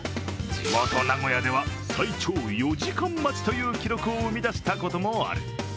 地元・名古屋では最長４時間待ちという記録を生み出したこともある、